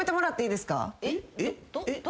えっ？